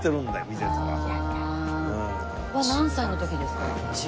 は何歳の時ですか？